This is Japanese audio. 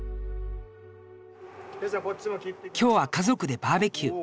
今日は家族でバーベキュー。